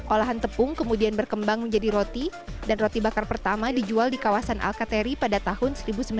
olahan tepung kemudian berkembang menjadi roti dan roti bakar pertama dijual di kawasan alkateri pada tahun seribu sembilan ratus sembilan puluh